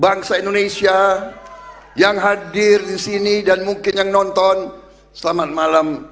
bangsa indonesia yang hadir di sini dan mungkin yang nonton selamat malam